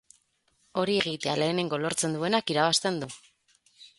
Hori egitea lehenengo lortzen duenak irabazten du.